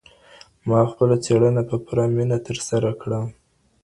ما خپله څېړنه په پوره مینه ترسره کړه.